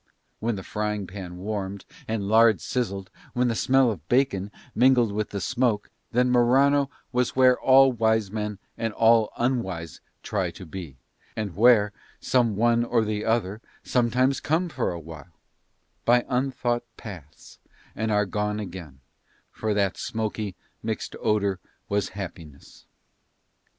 When the frying pan warmed and lard sizzled, when the smell of bacon mingled with the smoke, then Morano was where all wise men and all unwise try to be, and where some of one or the other some times come for awhile, by unthought paths and are gone again; for that smoky, mixed odour was happiness.